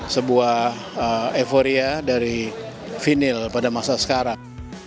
sebuah euphoria dari vinyl pada masa sekarang